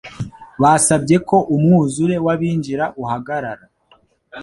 Basabye ko umwuzure w’abinjira uhagarara.